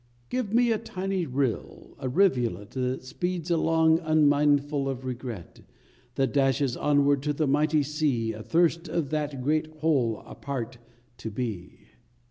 Give me a tiny rill, a rivulet That speeds along unmindful of regret; That dashes onward to the mighty sea Athirst of that great whole a part to be